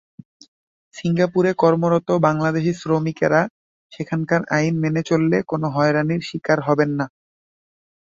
সিঙ্গাপুরে কর্মরত বাংলাদেশি শ্রমিকেরা সেখানকার আইন মেনে চললে কোনো হয়রানির শিকার হবেন না।